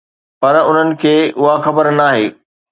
پر انهن کي اها خبر ناهي.